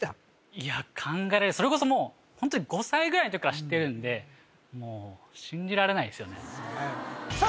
いや考えられそれこそもうホントに５歳ぐらいの時から知ってるんでもう信じられないですよねさあ